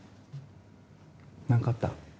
何かあった？